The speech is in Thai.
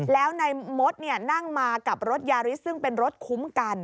แล้วนายมดนั่งมากับรถยาริสซึ่งเป็นรถคุ้มกัน